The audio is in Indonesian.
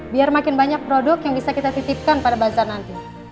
biar makin banyak produk yang bisa kita titipkan pada bazar nanti